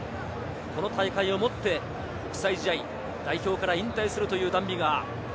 この大会をもって国際試合、代表から引退するというダン・ビガー。